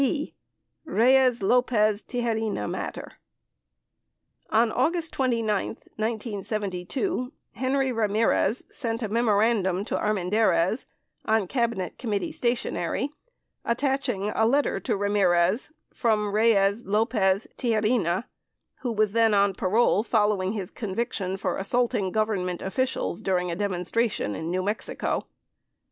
43 b. Reies Lopez Tijerina Matter On August 29, 1972, Henry Ramirez sent a memorandum to Armen dariz on Cabinet committee stationery attaching a letter to Ramirez from Reies Lopez Tijerina, who was then on parole following his conviction for assaulting Government officials during a demonstra tion in New Mexico.